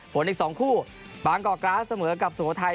ผลอีก๒คู่บางกอกร้าเสมอกับสุโภทไทย